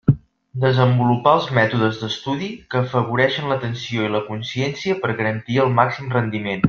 Desenvolupar els mètodes d'estudi que afavoreixin l'atenció i la consciència per garantir el màxim rendiment.